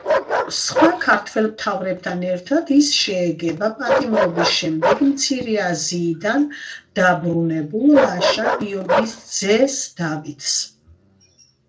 სხვა ქართველ მთავრებთან ერთად ის შეეგება პატიმრობის შემდეგ მცირე აზიიდან დაბრუნებულ ლაშა-გიორგის ძეს დავითს.